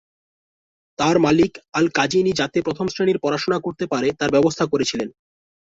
তাঁর মালিক আল-কাজিনী যাতে প্রথম শ্রেণির পড়াশোনা করতে পারে তার ব্যবস্থা করেছিলেন।